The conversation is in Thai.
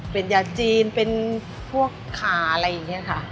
เป็นยาจีนเป็นพวกขาอะไรอย่างนี้ค่ะ